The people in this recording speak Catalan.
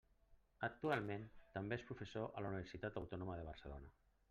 Actualment també és professor a la Universitat Autònoma de Barcelona.